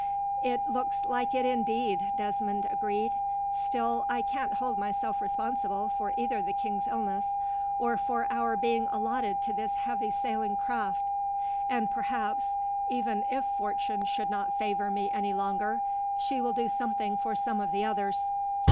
"It looks like it, indeed," Desmond agreed. "Still, I can't hold myself responsible for either the king's illness, or for our being allotted to this heavy sailing craft; and, perhaps, even if fortune should not favour me any longer, she will do something for some of the others.